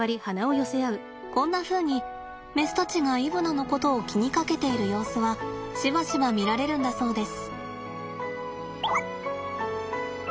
こんなふうにメスたちがイブナのことを気にかけている様子はしばしば見られるんだそうです。